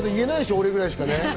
俺ぐらいしか。